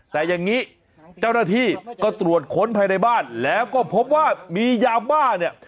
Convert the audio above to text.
แต่อย่างนี้เจ้าหน้าที่ก็ตรวจค้นภายในบ้านแล้วก็พบว่ามียาบ้าเนี่ย